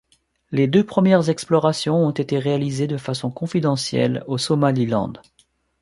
Des premières explorations ont été réalisées de façon confidentielle au Somaliland.